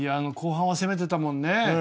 後半は攻めてたもんね。